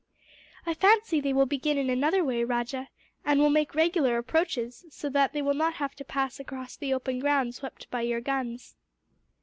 "I fancy they will begin in another way, Rajah, and will make regular approaches, so that they will not have to pass across the open ground swept by your guns."